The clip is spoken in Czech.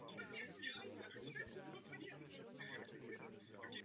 Jsem potěšena, že to pozměňovací návrh předložený mou skupinou objasňuje.